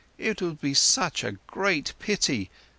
It would be such a great pity.